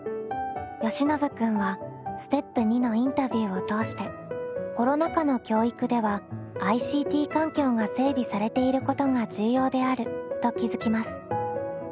よしのぶ君はステップ２のインタビューを通してコロナ禍の教育ではＩＣＴ環境が整備されていることが重要であると気付きます。